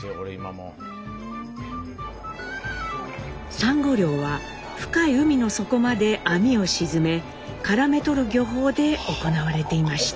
サンゴ漁は深い海の底まで網を沈めからめ捕る漁法で行われていました。